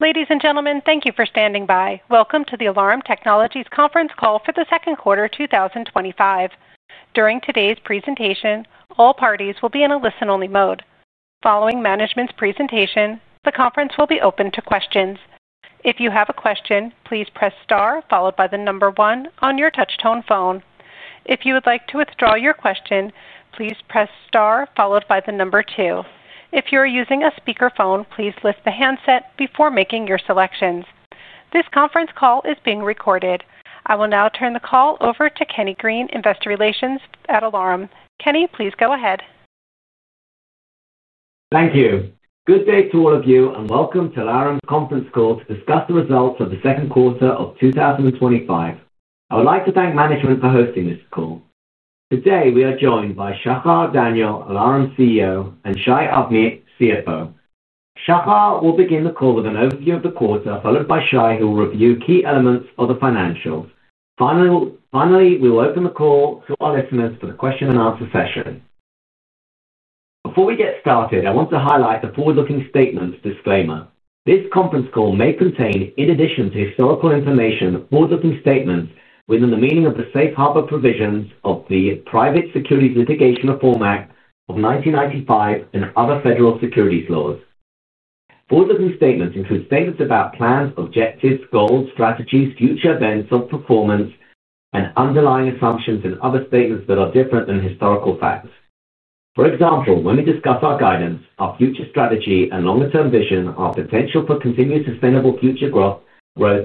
Ladies and gentlemen, thank you for standing by. Welcome to the Alarum Technologies conference call for the second quarter 2025. During today's presentation, all parties will be in a listen-only mode. Following management's presentation, the conference will be open to questions. If you have a question, please press * followed by the number 1 on your touch-tone phone. If you would like to withdraw your question, please press * followed by the number 2. If you are using a speaker phone, please lift the handset before making your selections. This conference call is being recorded. I will now turn the call over to Kenny Green, Investor Relations at Alarum. Kenny, please go ahead. Thank you. Good day to all of you and welcome to Alarum Technologies Ltd.'s conference call to discuss the results of the second quarter of 2025. I would like to thank management for hosting this call. Today, we are joined by Shachar Daniel, Alarum Technologies CEO, and Shai Avnit, CFO. Shachar will begin the call with an overview of the quarter, followed by Shai, who will review key elements of the financials. Finally, we will open the call to our listeners for the question and answer session. Before we get started, I want to highlight the forward-looking statement disclaimer. This conference call may contain, in addition to historical information, a forward-looking statement within the meaning of the safe harbor provisions of the Private Securities Litigation Reform Act of 1995 and other federal securities laws. Forward-looking statements include statements about plans, objectives, goals, strategies, future events, performance, and underlying assumptions in other statements that are different than historical facts. For example, when we discuss our guidance, our future strategy and longer-term vision, our potential for continuous sustainable future growth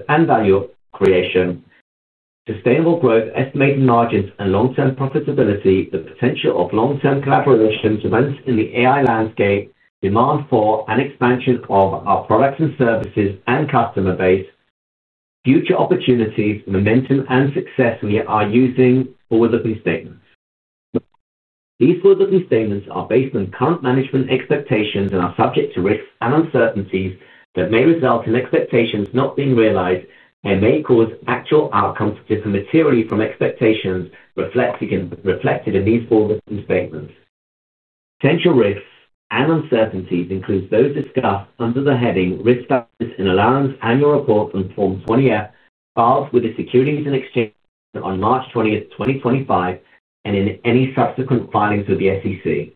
and value creation, sustainable growth, estimated margins, and long-term profitability, the potential of long-term collaboration events in the AI landscape, demand for and expansion of our products and services and customer base, future opportunities, momentum, and success, we are using forward-looking statements. These forward-looking statements are based on current management expectations and are subject to risks and uncertainties that may result in expectations not being realized and may cause actual outcomes to differ materially from expectations reflected in these forward-looking statements. Potential risks and uncertainties include those discussed under the heading Risk Documents in Alarum Technologies Ltd.'s Annual Report on Form 20-F, filed with the Securities and Exchange Commission on March 20, 2025, and in any subsequent filings with the SEC.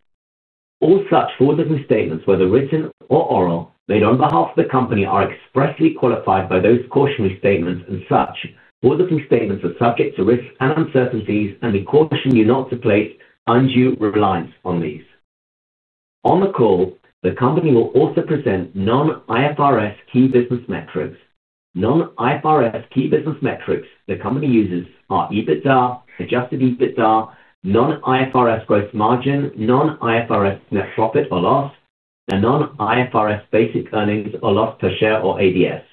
All such forward-looking statements, whether written or oral, made on behalf of the company, are expressly qualified by those cautionary statements, and such forward-looking statements are subject to risks and uncertainties and encourage you not to place undue reliance on these. On the call, the company will also present non-IFRS key business metrics. Non-IFRS key business metrics the company uses are EBITDA, adjusted EBITDA, non-IFRS gross margin, non-IFRS net profit or loss, and non-IFRS basic earnings or loss per share or ADS.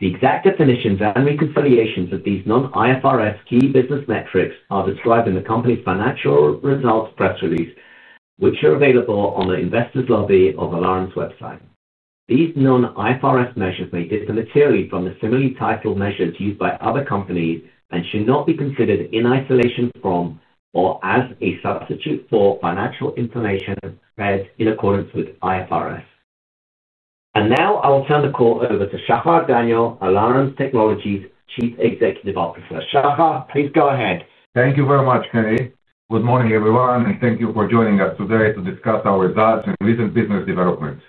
The exact definition and reconciliations of these non-IFRS key business metrics are described in the company's financial results press release, which are available on the Investors Lobby of Alarum Technologies Ltd.'s website. These non-IFRS measures may differ materially from the similar title measures used by other companies and should not be considered in isolation from or as a substitute for financial information and compares in accordance with IFRS. Now I will turn the call over to Shachar Daniel, Alarum Technologies Ltd. Chief Executive Officer. Shachar, please go ahead. Thank you very much, Kenny. Good morning everyone, and thank you for joining us today to discuss our results with recent business developments.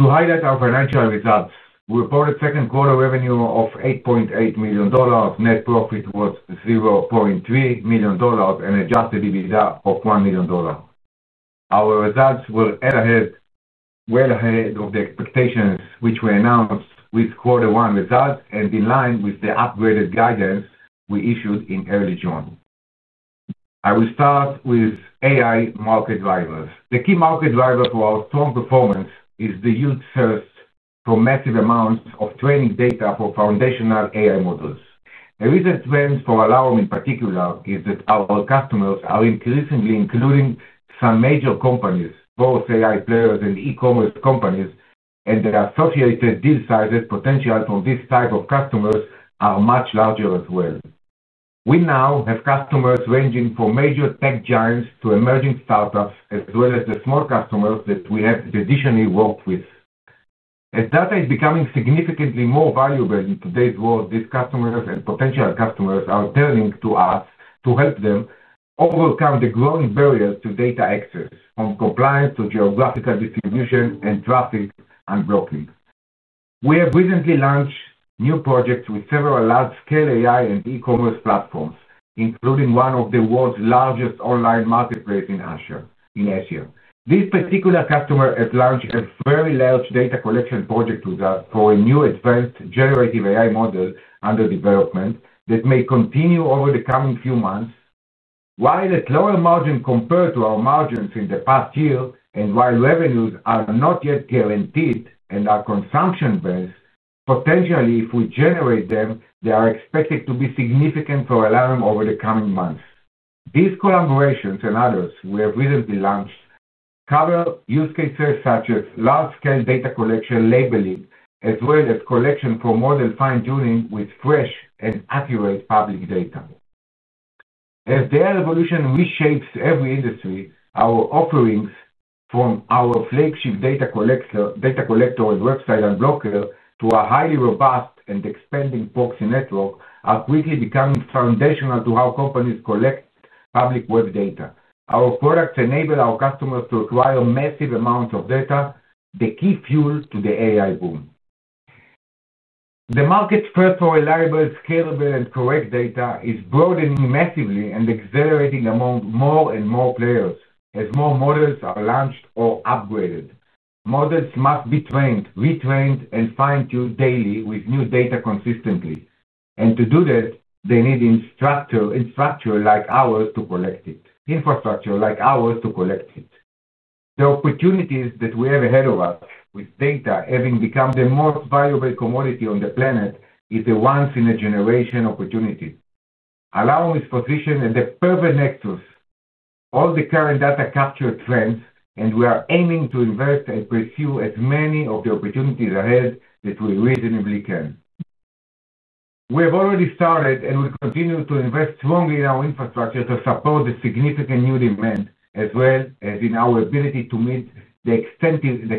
To highlight our financial results, we reported second quarter revenue of $8.8 million, net profit was $0.3 million, and adjusted EBITDA of $1 million. Our results were well ahead of the expectations, which were announced with quarter one results and in line with the upgraded guidance we issued in early June. I will start with AI market drivers. The key market driver for our strong performance is the use of massive amounts of training data for foundational AI models. A recent trend for Alarum, in particular, is that our customers are increasingly including some major companies, both AI players and e-commerce companies, and the associated deal sizes potential for this type of customers are much larger as well. We now have customers ranging from major tech giants to emerging startups, as well as the smart customers that we have traditionally worked with. As data is becoming significantly more valuable in today's world, these customers and potential customers are turning to us to help them overcome the growing barriers to data access, from compliance to geographical distribution and traffic and blocking. We have recently launched new projects with several large-scale AI and e-commerce platforms, including one of the world's largest online marketplace in Asia. This particular customer at launch has a very large data collection project with us for a new advanced generative AI model under development that may continue over the coming few months. While at lower margin compared to our margins in the past year, and while revenues are not yet guaranteed and are consumption-based, potentially if we generate them, they are expected to be significant for Alarum over the coming months. These collaborations and others we have recently launched cover use cases such as large-scale data collection labeling, as well as collection for modern fine-tuning with fresh and accurate public data. As data evolution reshapes every industry, our offerings from our flagship AI Data Collector and Website Unblocker to a highly robust and expanding proxy network are quickly becoming foundational to how companies collect public web data. Our products enable our customers to acquire massive amounts of data, the key fuel to the AI boom. The market's press for reliable, scalable, and correct data is broadening massively and accelerating among more and more players as more models are launched or upgraded. Models must be trained, retrained, and fine-tuned daily with new data consistently. To do that, they need infrastructure like ours to collect it. The opportunities that we have ahead of us with data having become the most valuable commodity on the planet is a once in a generation opportunity. Alarum is positioned in the perfect nexus. All the current data capture trends, and we are aiming to invest and pursue as many of the opportunities ahead that we reasonably can. We have already started and will continue to invest strongly in our infrastructure to support the significant new demand, as well as in our ability to meet the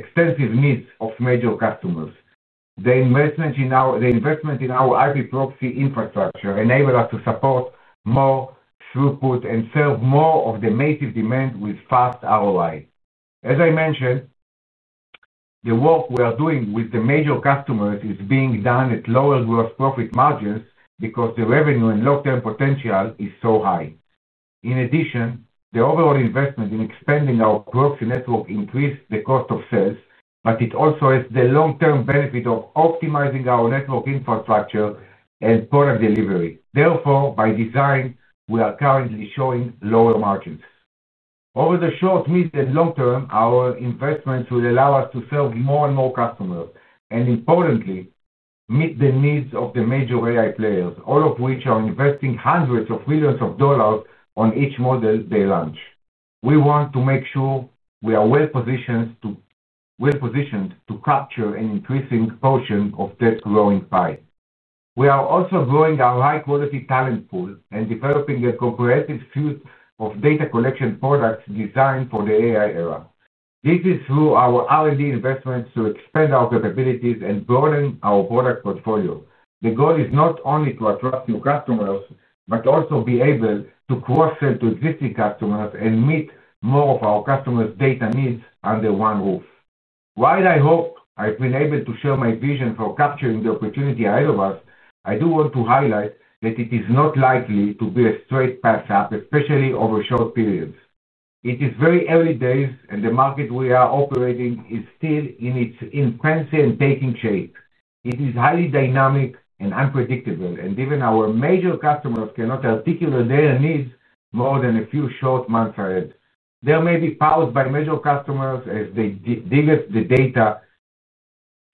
extensive needs of major customers. The investment in our IP proxy infrastructure enables us to support more throughput and serve more of the massive demand with fast ROI. As I mentioned, the work we are doing with the major customers is being done at lower gross profit margins because the revenue and long-term potential is so high. In addition, the overall investment in expanding our proxy network increases the cost of sales, but it also has the long-term benefit of optimizing our network infrastructure and product delivery. Therefore, by design, we are currently showing lower margins. Over the short, mid, and long term, our investments will allow us to serve more and more customers and, importantly, meet the needs of the major AI players, all of which are investing hundreds of billions of dollars on each model they launch. We want to make sure we are well positioned to capture an increasing portion of this growing pie. We are also growing our high-quality talent pool and developing a comprehensive suite of data collection products designed for the AI era. This is through our R&D investments to expand our capabilities and broaden our product portfolio. The goal is not only to attract new customers, but also be able to cross-sell to existing customers and meet more of our customers' data needs under one roof. While I hope I've been able to share my vision for capturing the opportunity ahead of us, I do want to highlight that it is not likely to be a straight path up, especially over short periods. It is very early days, and the market we are operating is still in its infancy and taking shape. It is highly dynamic and unpredictable, and even our major customers cannot articulate their needs more than a few short months ahead. They may be powered by major customers as they digest the data,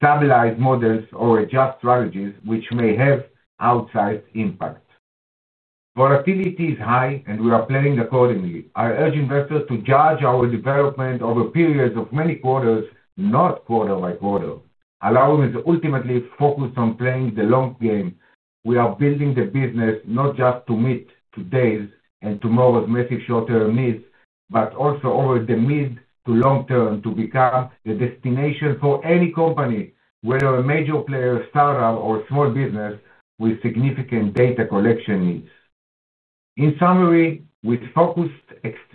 summarize models, or adjust strategies, which may have outside impact. Volatility is high, and we are planning accordingly. I urge investors to judge our development over periods of many quarters, not quarter by quarter. Alarum is ultimately focused on playing the long game. We are building the business not just to meet today's and tomorrow's massive short-term needs, but also over the mid to long term to become the destination for any company, whether a major player, startup, or small business with significant data collection needs. In summary, with focused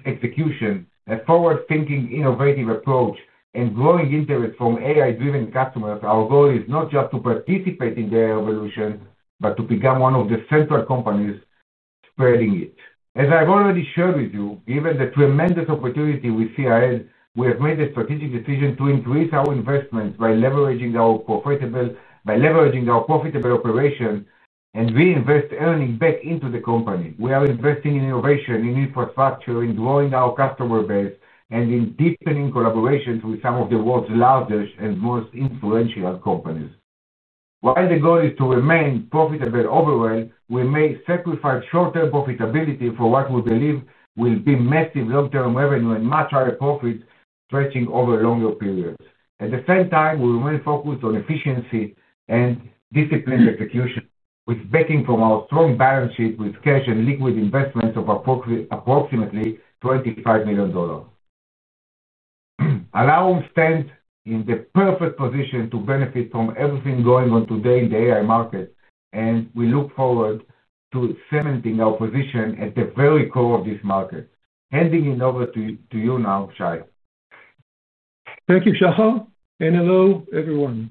execution, a forward-thinking, innovative approach, and growing interest from AI-driven customers, our goal is not just to participate in the evolution, but to become one of the central companies spreading it. As I've already shared with you, given the tremendous opportunity we see ahead, we have made the strategic decision to increase our investment by leveraging our profitable operation and reinvest earnings back into the company. We are investing in innovation, in infrastructure, in growing our customer base, and in deepening collaborations with some of the world's largest and most influential companies. While the goal is to remain profitable overall, we may sacrifice short-term profitability for what we believe will be massive long-term revenue and much higher profits stretching over a longer period. At the same time, we remain focused on efficiency and disciplined execution, with backing from our strong balance sheet with cash and liquid investments of approximately $25 million. Alarum stands in the perfect position to benefit from everything going on today in the AI market, and we look forward to cementing our position at the very core of this market. Handing it over to you now, Shai. Thank you, Shachar, and hello everyone.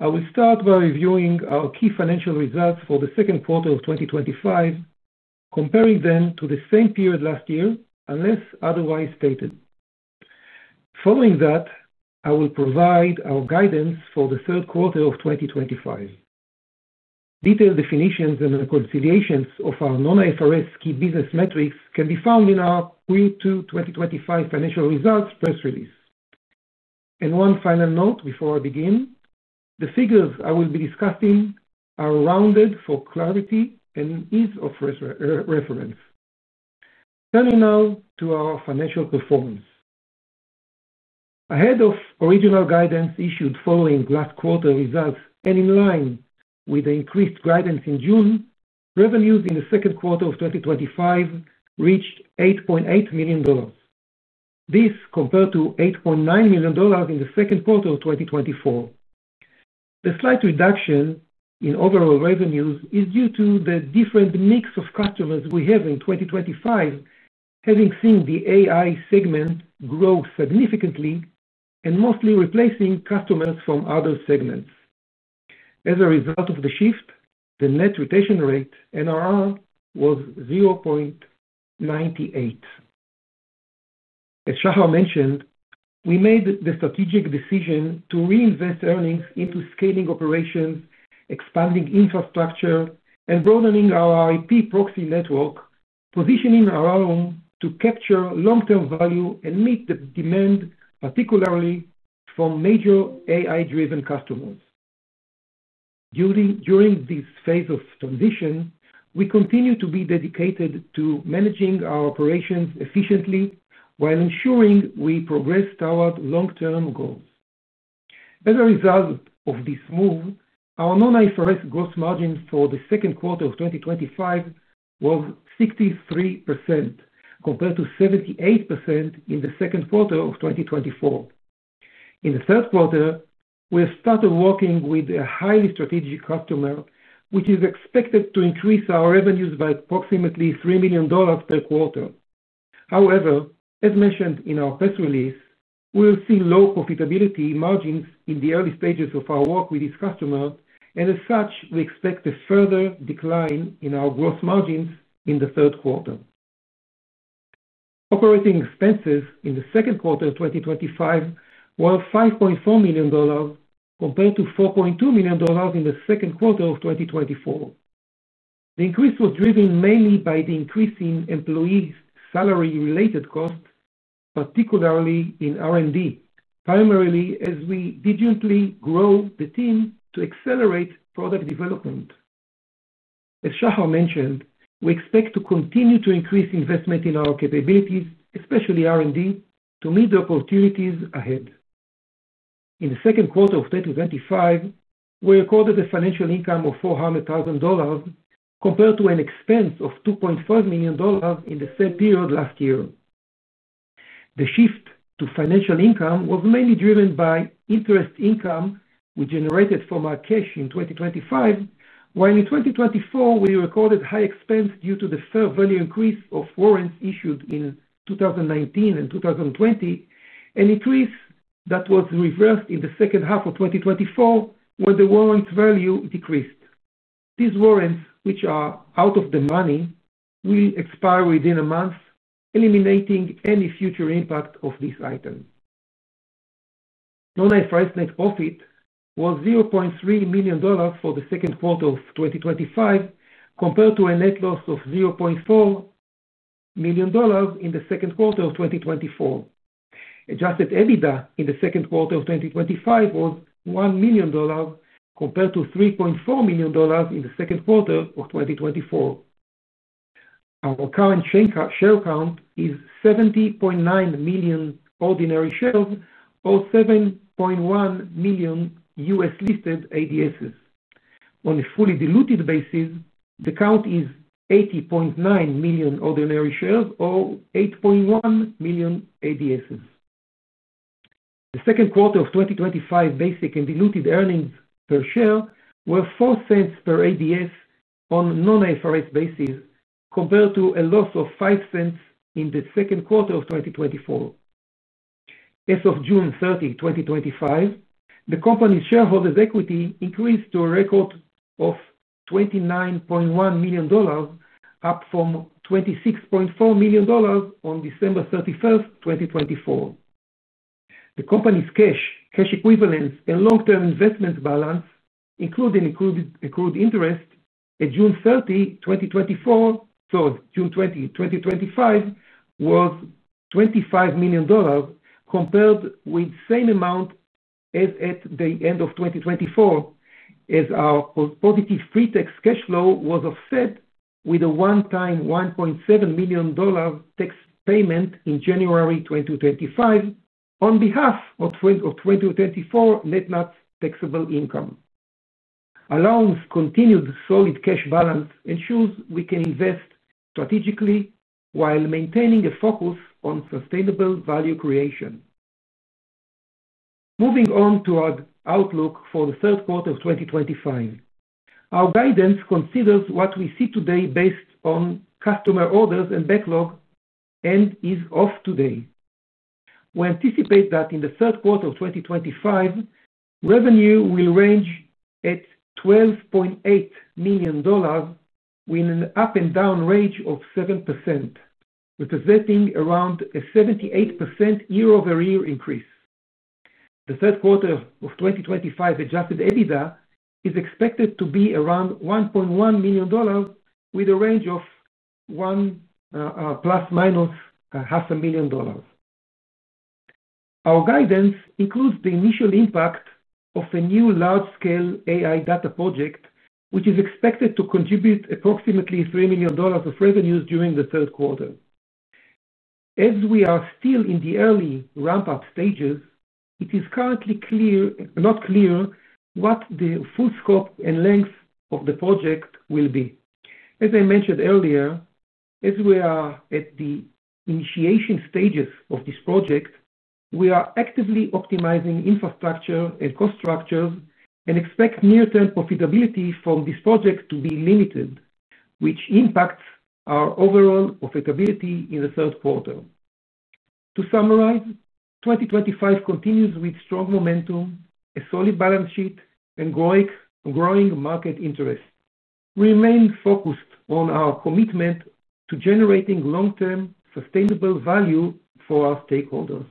I will start by reviewing our key financial results for the second quarter of 2025, comparing them to the same period last year, unless otherwise stated. Following that, I will provide our guidance for the third quarter of 2025. Detailed definitions and reconciliations of our non-IFRS key business metrics can be found in our Q2 2025 financial results press release. One final note before I begin, the figures I will be discussing are rounded for clarity and ease of reference. Turning now to our financial performance. Ahead of original guidance issued following last quarter results and in line with the increased guidance in June, revenues in the second quarter of 2025 reached $8.8 million. This compared to $8.9 million in the second quarter of 2024. The slight reduction in overall revenues is due to the different mix of customers we have in 2025, having seen the AI segment grow significantly and mostly replacing customers from other segments. As a result of the shift, the net retention rate, NRR, was 0.98. As Shachar mentioned, we made the strategic decision to reinvest earnings into scaling operations, expanding infrastructure, and broadening our IP proxy network, positioning Alarum to capture long-term value and meet the demand, particularly from major AI-driven customers. During this phase of transition, we continue to be dedicated to managing our operations efficiently while ensuring we progress toward long-term goals. As a result of this move, our non-IFRS gross margins for the second quarter of 2025 were 63% compared to 78% in the second quarter of 2024. In the third quarter, we have started working with a highly strategic customer, which is expected to increase our revenues by approximately $3 million per quarter. However, as mentioned in our press release, we will see low profitability margins in the early stages of our work with this customer, and as such, we expect a further decline in our gross margins in the third quarter. Operating expenses in the second quarter of 2025 were $5.4 million compared to $4.2 million in the second quarter of 2024. The increase was driven mainly by the increase in employee salary-related costs, particularly in R&D, primarily as we urgently grow the team to accelerate product development. As Shachar mentioned, we expect to continue to increase investment in our capabilities, especially R&D, to meet the opportunities ahead. In the second quarter of 2025, we recorded a financial income of $400,000 compared to an expense of $2.5 million in the same period last year. The shift to financial income was mainly driven by interest income we generated from our cash in 2025, while in 2024, we recorded high expense due to the fair value increase of warrants issued in 2019 and 2020, an increase that was reversed in the second half of 2024 when the warrants' value decreased. These warrants, which are out of the money, will expire within a month, eliminating any future impact of this item. Non-IFRS net profit was $0.3 million for the second quarter of 2025 compared to a net loss of $0.4 million in the second quarter of 2024. Adjusted EBITDA in the second quarter of 2025 was $1 million compared to $3.4 million in the second quarter of 2024. Our current share count is 70.9 million ordinary shares or 7.1 million U.S. listed ADSs. On a fully diluted basis, the count is 80.9 million ordinary shares or 8.1 million ADSs. The second quarter of 2025 basic and diluted earnings per share were $0.04 per ADS on a non-IFRS basis compared to a loss of $0.05 in the second quarter of 2024. As of June 30, 2025, the company's shareholders' equity increased to a record of $29.1 million, up from $26.4 million on December 31, 2024. The company's cash equivalents and long-term investments balance, including accrued interest, at June 30, 2025, was $25 million compared with the same amount as at the end of 2024, as our positive free tax cash flow was offset with a one-time $1.7 million tax payment in January 2025 on behalf of 2024 net not taxable income. Alarum's continued solid cash balance ensures we can invest strategically while maintaining a focus on sustainable value creation. Moving on to our outlook for the third quarter of 2025, our guidance considers what we see today based on customer orders and backlog and is as of today. We anticipate that in the third quarter of 2025, revenue will range at $12.8 million with an up and down range of 7%, representing around a 78% year-over-year increase. The third quarter of 2025 adjusted EBITDA is expected to be around $1.1 million with a range of plus or minus $0.5 million. Our guidance includes the initial impact of a new large-scale AI Data Collector project, which is expected to contribute approximately $3 million of revenues during the third quarter. As we are still in the early ramp-up stages, it is currently not clear what the full scope and length of the project will be. As I mentioned earlier, as we are at the initiation stages of this project, we are actively optimizing infrastructure and cost structures and expect near-term profitability from this project to be limited, which impacts our overall profitability in the third quarter. To summarize, 2025 continues with strong momentum, a solid balance sheet, and growing market interest. We remain focused on our commitment to generating long-term sustainable value for our stakeholders.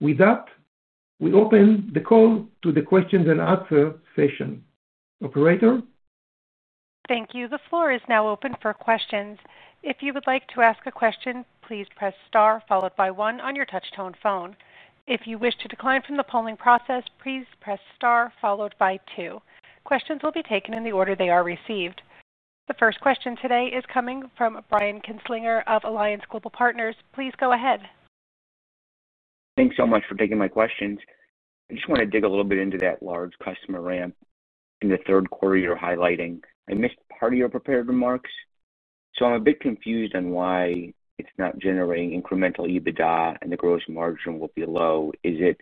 With that, we open the call to the question and answer session. Operator? Thank you. The floor is now open for questions. If you would like to ask a question, please press * followed by 1 on your touch-tone phone. If you wish to decline from the polling process, please press * followed by 2. Questions will be taken in the order they are received. The first question today is coming from Brian Kinstlinger of Alliance Global Partners. Please go ahead. Thanks so much for taking my questions. I just want to dig a little bit into that large customer ramp in the third quarter you're highlighting. I missed part of your prepared remarks. I'm a bit confused on why it's not generating incremental EBITDA and the gross margin will be low. Is it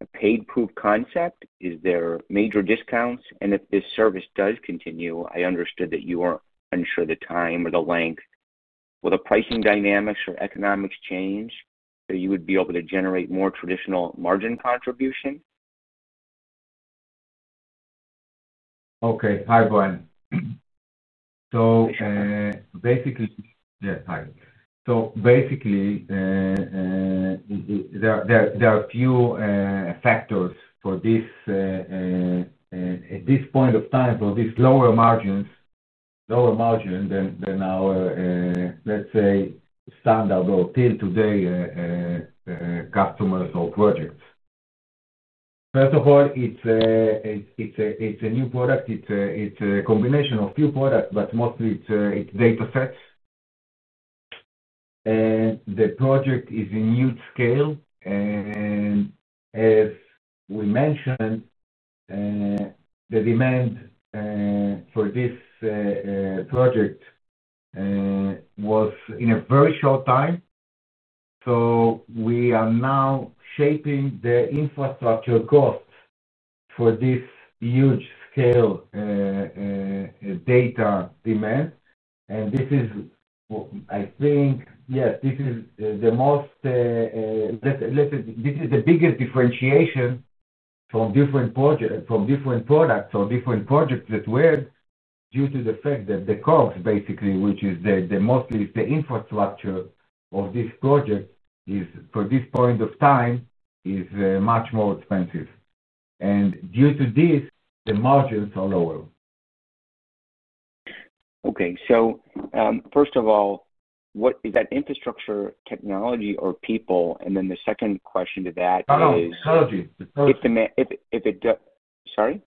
a paid proof of concept? Is there major discounts? If this service does continue, I understood that you weren't unsure of the time or the length. Will the pricing dynamics or economics change so you would be able to generate more traditional margin contribution? Okay. Hi, Brian. Basically, there are a few factors for this. At this point of time, for these lower margins, lower margin than our, let's say, standard or till today customers or projects. First of all, it's a new product. It's a combination of a few products, but mostly it's datasets. The project is a new scale. As we mentioned, the demand for this project was in a very short time. We are now shaping the infrastructure cost for this huge-scale data demand. I think this is the most, let's say, this is the biggest differentiation from different products or different projects as well due to the fact that the cost, basically, which is mostly the infrastructure of this project, is for this point of time, much more expensive. Due to this, the margins are lower. Okay. First of all, what is that infrastructure, technology, or people? The second question to that is... Technology. Sorry?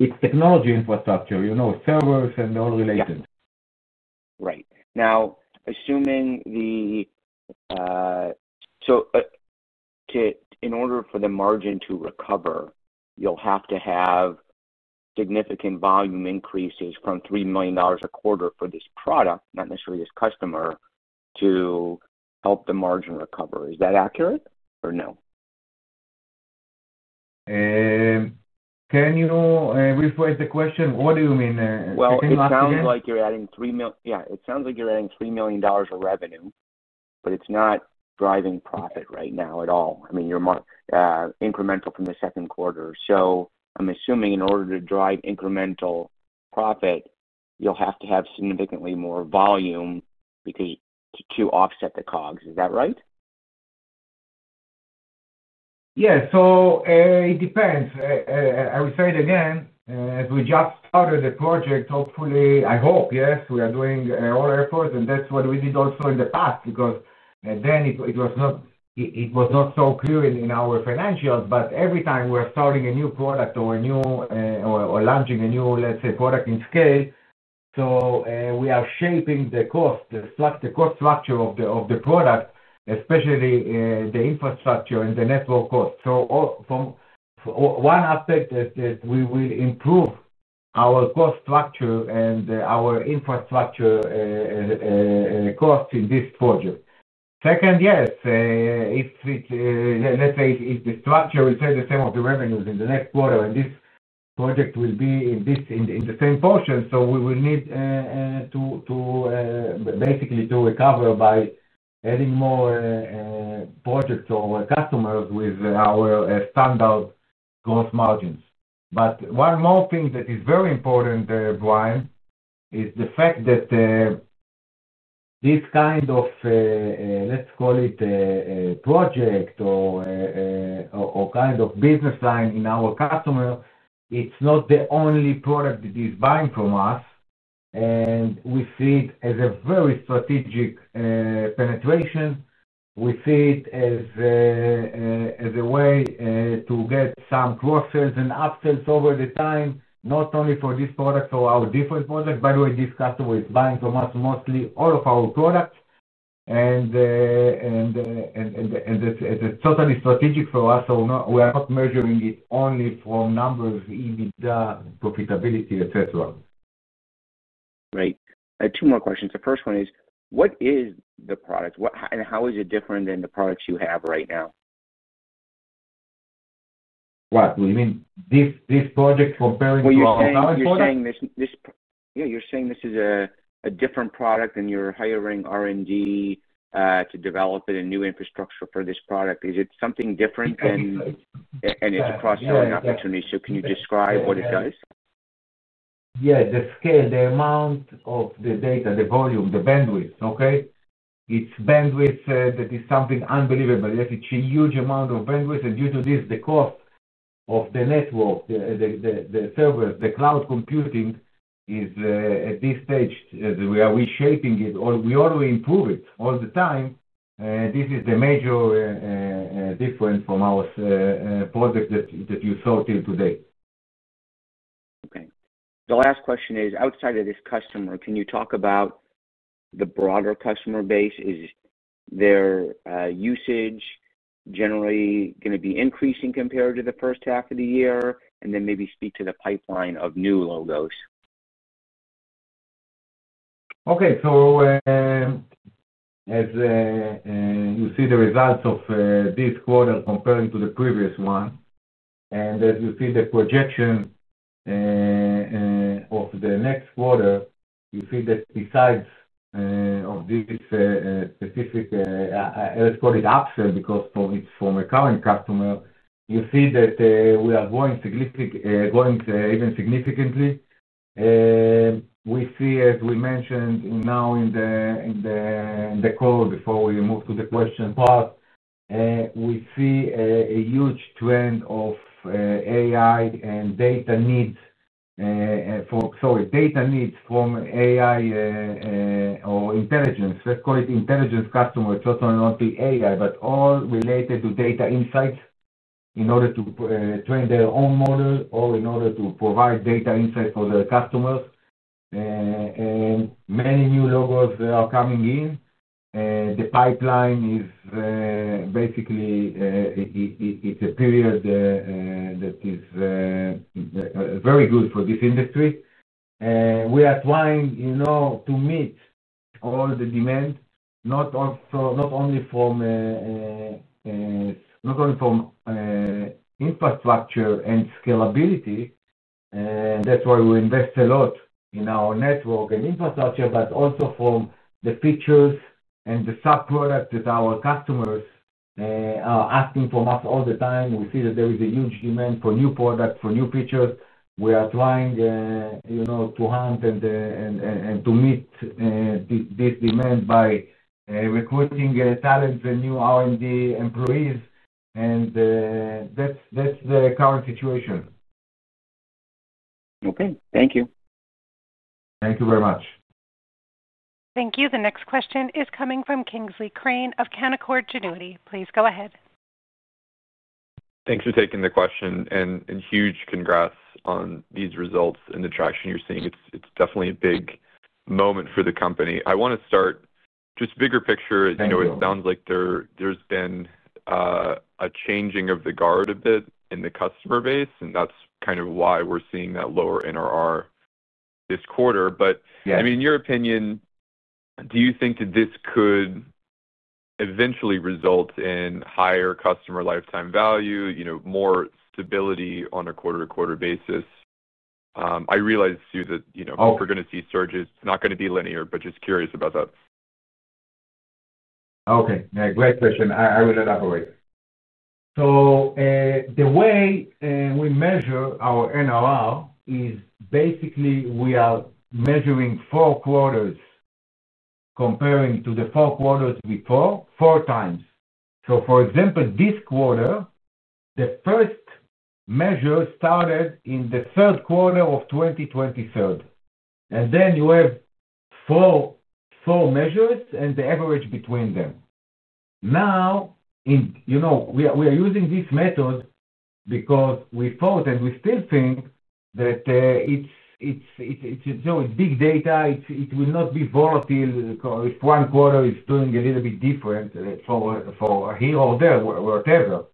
It's technology infrastructure, you know, servers and all related. Right. Now, in order for the margin to recover, you'll have to have significant volume increases from $3 million a quarter for this product, not necessarily this customer, to help the margin recover. Is that accurate or no? Can you rephrase the question? What do you mean? It sounds like you're adding $3 million of revenue, but it's not driving profit right now at all. I mean, you're incremental from the second quarter. I'm assuming in order to drive incremental profit, you'll have to have significantly more volume to offset the COGs. Is that right? Yeah. It depends. I would say it again, as we just started the project, hopefully, I hope, yes, we are doing our efforts, and that's what we did also in the past because then it was not so clear in our financials. Every time we're starting a new product or launching a new, let's say, product in scale, we are shaping the cost, the cost structure of the product, especially the infrastructure and the network cost. From one aspect, we will improve our cost structure and our infrastructure costs in this project. Second, yes, if the structure will stay the same of the revenues in the next quarter and this project will be in the same portion, we will need to basically recover by adding more projects or customers with our standard gross margins. One more thing that is very important, Brian, is the fact that this kind of, let's call it, project or kind of business line in our customer, it's not the only product that is buying from us. We see it as a very strategic penetration. We see it as a way to get some cross-sales and upsales over the time, not only for this product, for our different products. By the way, this customer is buying from us mostly all of our products. It's totally strategic for us. We are not measuring it only from numbers, EBITDA, profitability, etc. Great. Two more questions. The first one is, what is the product, and how is it different than the products you have right now? What? You mean this project for You are saying this is a different product and you're hiring R&D to develop it in new infrastructure for this product. Is it something different than... it's a cross-selling opportunity. Can you describe what it does? Yeah. The scale, the amount of the data, the volume, the bandwidth, okay? It's bandwidth that is something unbelievable. Yes, it's a huge amount of bandwidth. Due to this, the cost of the network, the servers, the cloud computing is at this stage, as we are reshaping it or we already improve it all the time. This is the major difference from our product that you saw till today. Okay. The last question is, outside of this customer, can you talk about the broader customer base? Is their usage generally going to be increasing compared to the first half of the year? Maybe speak to the pipeline of new logos. Okay. As you see the results of this quarter comparing to the previous one, and as you see the projection of the next quarter, you see that besides this specific, let's call it upsell because from a current customer, you see that we are growing even significantly. We see, as we mentioned now in the call before we move to the question part, we see a huge trend of AI and data needs for, data needs from AI or intelligence. Let's call it intelligence customer. It's also not the AI, but all related to data insights in order to train their own model or in order to provide data insights for the customer. Many new logos are coming in. The pipeline is basically, it's a period that is very good for this industry. We are trying to meet all the demand, not only from infrastructure and scalability. That's why we invest a lot in our network and infrastructure, but also from the features and the sub-products that our customers are asking for us all the time. We see that there is a huge demand for new products, for new features. We are trying to hunt and to meet this demand by recruiting current and new R&D employees. That's the current situation. Okay, thank you. Thank you very much. Thank you. The next question is coming from Kingsley Crane of Canaccord Genuity. Please go ahead. Thanks for taking the question and huge congrats on these results and the traction you're seeing. It's definitely a big moment for the company. I want to start just bigger picture. It sounds like there's been a changing of the guard a bit in the customer base, and that's kind of why we're seeing that lower NRR this quarter. In your opinion, do you think that this could eventually result in higher customer lifetime value, more stability on a quarter-to-quarter basis? I realize too that if we're going to see surges, it's not going to be linear, just curious about that. Okay. Great question. I will elaborate. The way we measure our NRR is basically we are measuring four quarters comparing to the four quarters before, four times. For example, this quarter, the first measure started in the third quarter of 2023. Then you have four measures and the average between them. We are using this method because we thought and we still think that it's so big data, it will not be volatile. If one quarter is doing a little bit different here or there, whatever,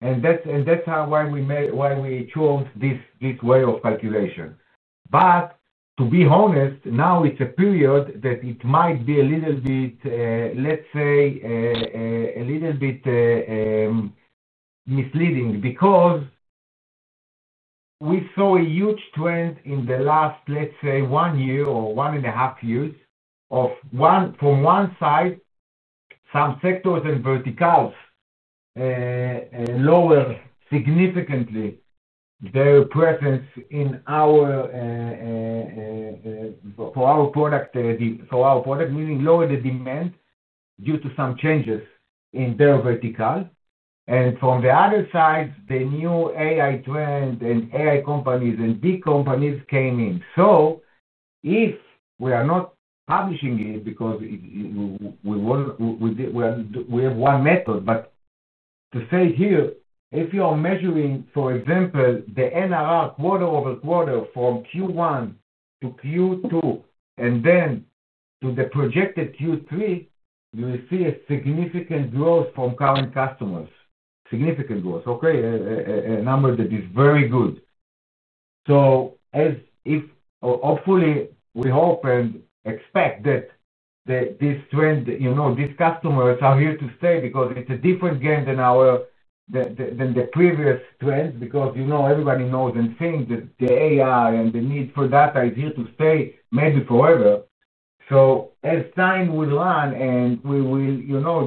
that's why we chose this way of calculation. To be honest, now it's a period that it might be a little bit, let's say, a little bit misleading because we saw a huge trend in the last, let's say, one year or one and a half years of, from one side, some sectors and verticals lower significantly their presence in our product, meaning lower the demand due to some changes in their vertical. From the other side, the new AI trend and AI companies and big companies came in. We are not publishing it because we have one method, but to say here, if you are measuring, for example, the NRR quarter over quarter from Q1 to Q2 and then to the projected Q3, you will see a significant growth from current customers. Significant growth. A number that is very good. Hopefully, we hope and expect that this trend, these customers are here to stay because it's a different game than the previous trend because everybody knows and thinks that the AI and the need for data is here to stay maybe forever. As time will run and we will,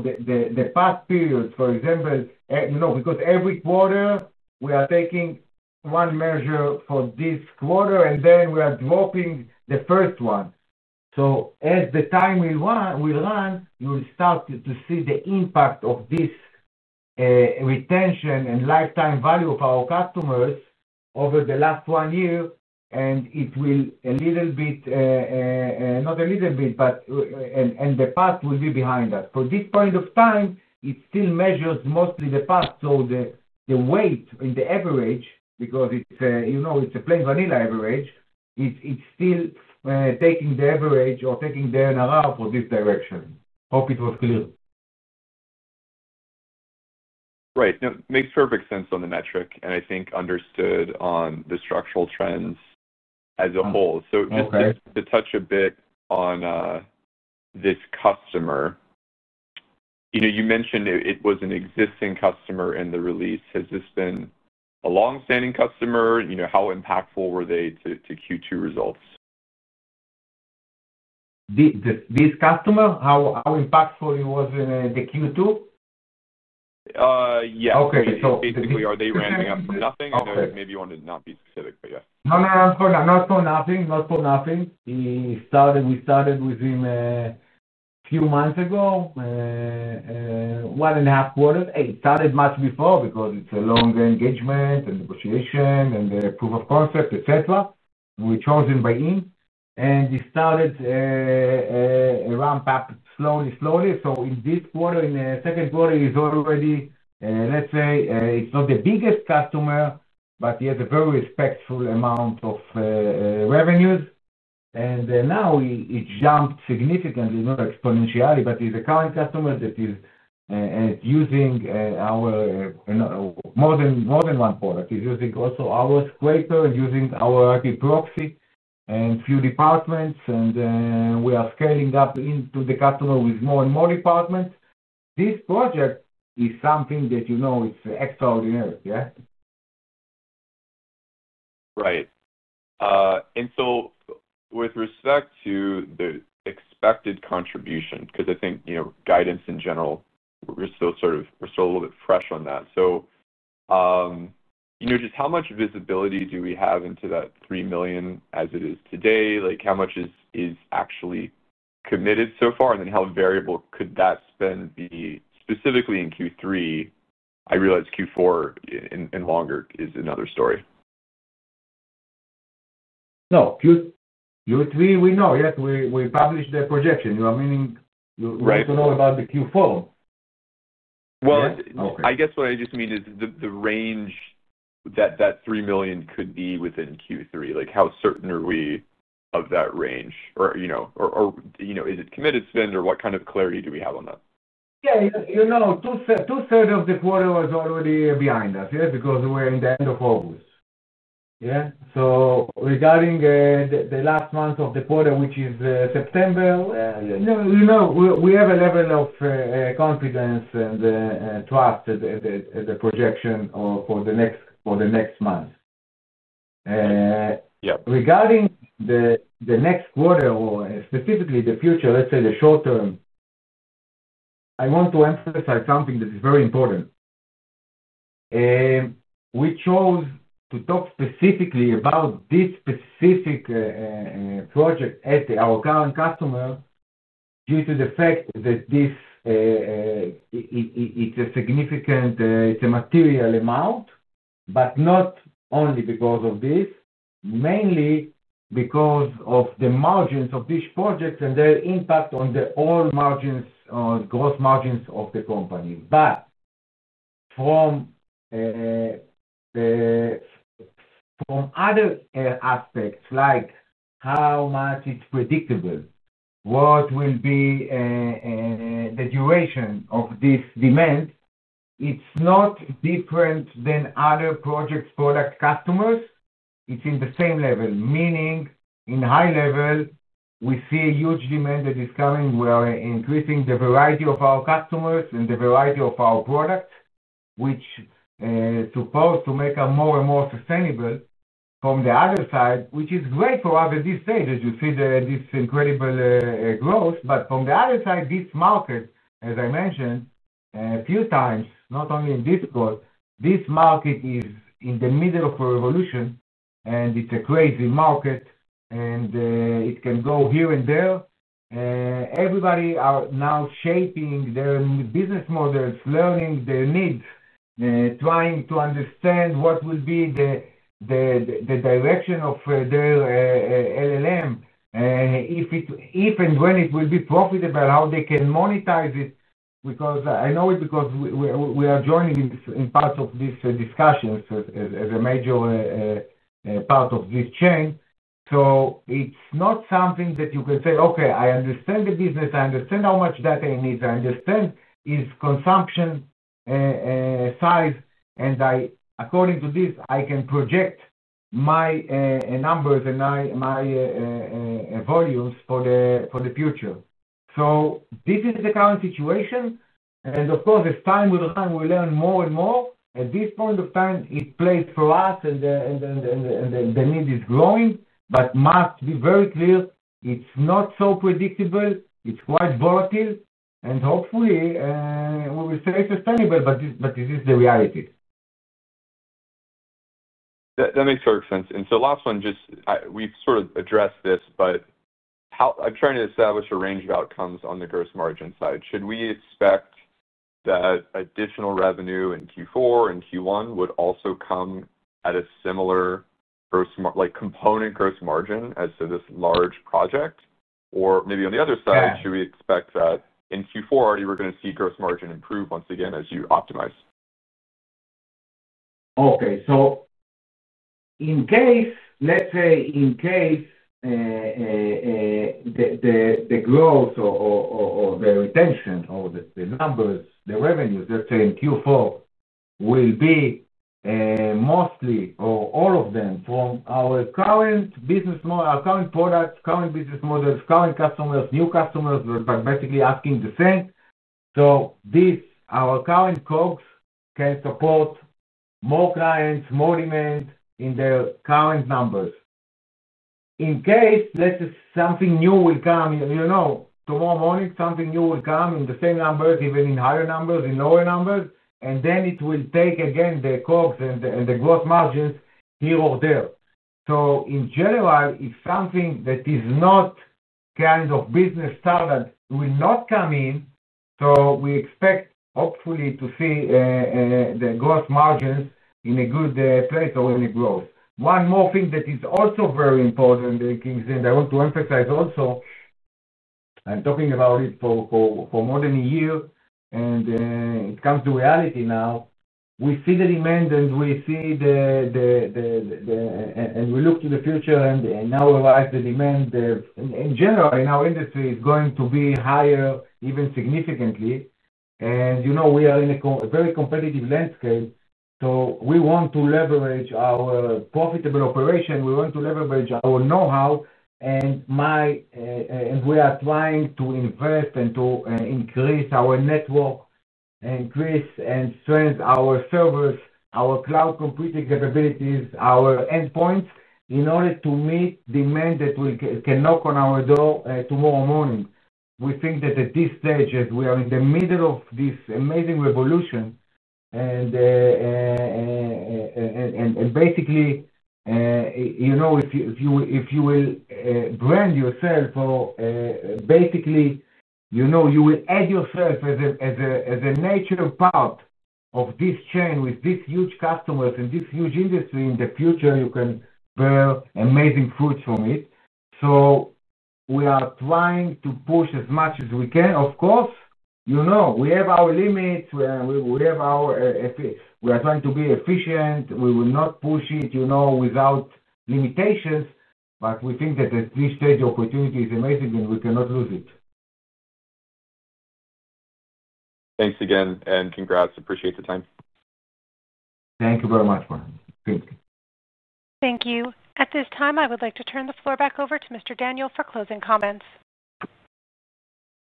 the past periods, for example, because every quarter we are taking one measure for this quarter and then we are dropping the first one. As the time will run, you will start to see the impact of this retention and lifetime value of our customers over the last one year. It will a little bit, not a little bit, but the path will be behind that. For this point of time, it still measures mostly the path. The weight and the average, because it's a plain vanilla average, it's still taking the average or taking the NRR for this direction. Hope it was clear. Right. No, it makes perfect sense on the metric, and I think understood on the structural trends as a whole. Just to touch a bit on this customer, you mentioned it was an existing customer in the release. Has this been a longstanding customer? How impactful were they to Q2 results? This customer, how impactful it was in the Q2? Okay. Basically, are they ramping up from nothing? I know that maybe you wanted to not be specific, but yeah. Not for nothing. We started with him a few months ago, one and a half quarters. It started much before because it's a long engagement and negotiation and the proof of concept, etc. We chose him by him. It started a ramp-up slowly, slowly. In this quarter, in the second quarter, he's already, let's say, it's not the biggest customer, but he has a very respectful amount of revenues. Now it jumped significantly, not exponentially, but he's a current customer that is using our more than one product. He's using also our scraper and using our IP proxy and a few departments. We are scaling up into the customer with more and more departments. This project is something that, you know, it's extraordinary. Yeah. Right. With respect to the expected contribution, because I think, you know, guidance in general, we're still sort of a little bit fresh on that. You know, just how much visibility do we have into that $3 million as it is today? How much is actually committed so far, and how variable could that spend be specifically in Q3? I realize Q4 and longer is another story. No, Q3, we know. Yes, we published the projection. You are meaning we need to know about the Q4. I guess what I just mean is the range that that $3 million could be within Q3. How certain are we of that range? Is it committed spend or what kind of clarity do we have on that? Yeah, you know, two-thirds of the quarter was already behind us, yeah, because we're in the end of August. Yeah. Regarding the last month of the quarter, which is September, you know, we have a level of confidence and trust at the projection for the next month. Regarding the next quarter or specifically the future, let's say the short term, I want to emphasize something that is very important. We chose to talk specifically about this specific project at our current customer due to the fact that it's a significant, it's a material amount, but not only because of this, mainly because of the margins of these projects and their impact on the gross margins of the company. From other aspects, like how much it's predictable, what will be the duration of this demand, it's not different than other project product customers. It's in the same level, meaning in high level, we see a huge demand that is coming. We are increasing the variety of our customers and the variety of our products, which supposed to make us more and more sustainable. From the other side, which is great for us at this stage as you see this incredible growth, this market, as I mentioned a few times, not only in this quarter, this market is in the middle of a revolution and it's a crazy market and it can go here and there. Everybody is now shaping their business models, learning their needs, trying to understand what will be the direction of their LLM, if and when it will be profitable, how they can monetize it. I know it because we are joining in parts of this discussion as a major part of this chain. It's not something that you can say, okay, I understand the business, I understand how much data it needs, I understand its consumption size, and according to this, I can project my numbers and my volumes for the future. This is the current situation. Of course, as time will come, we learn more and more. At this point of time, it plays for us and the need is growing, but must be very clear, it's not so predictable, it's quite volatile, and hopefully we will stay sustainable, but this is the reality. That makes perfect sense. Last one, just we've sort of addressed this, but how I'm trying to establish a range of outcomes on the gross margin side. Should we expect that additional revenue in Q4 and Q1 would also come at a similar, like component gross margin as to this large project? Or maybe on the other side, should we expect that in Q4 already we're going to see gross margin improve once again as you optimize? Okay. In case the growth or the retention or the numbers, the revenues, in Q4 will be mostly or all of them from our current business model, our current products, current business models, current customers, new customers that are basically asking the same, our current COGs can support more clients, more demand in their current numbers. In case something new will come, you know, tomorrow morning, something new will come in the same numbers, even in higher numbers, in lower numbers, and then it will take again the COGs and the gross margins here or there. In general, if something that is not kind of business standard will not come in, we expect hopefully to see the gross margins in a good period or any growth. One more thing that is also very important, Kingsley, and I want to emphasize also, I'm talking about it for more than a year, and it comes to reality now. We see the demand and we see the, and we look to the future and now we realize the demand in general in our industry is going to be higher even significantly. You know, we are in a very competitive landscape. We want to leverage our profitable operation. We want to leverage our know-how. We are trying to invest and to increase our network and increase and strengthen our servers, our cloud computing capabilities, our endpoints in order to meet demand that will knock on our door tomorrow morning. We think that at this stage, as we are in the middle of this amazing revolution, if you will brand yourself or basically, you know, you will add yourself as a nature part of this chain with these huge customers and this huge industry in the future, you can bear amazing fruits from it. We are trying to push as much as we can. Of course, you know, we have our limits and we have our, we are trying to be efficient. We will not push it, you know, without limitations. We think that at this stage, the opportunity is amazing and we cannot lose it. Thanks again and congrats. Appreciate the time. Thank you very much, Brian. Thank you. Thank you. At this time, I would like to turn the floor back over to Mr. Daniel for closing comments.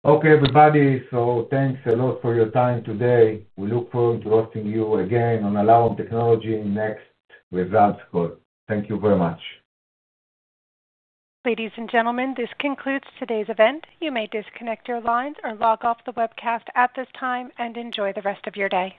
Okay, everybody. Thanks a lot for your time today. We look forward to hosting you again on Alarum Technologies' next results call. Thank you very much. Ladies and gentlemen, this concludes today's event. You may disconnect your lines or log off the webcast at this time and enjoy the rest of your day.